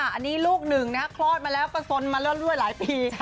อันนี้ลูกหนึ่งนะคลอดมาแล้วก็สนมาเรื่อยหลายปี